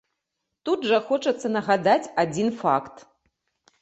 Тут жа хочацца нагадаць адзін факт.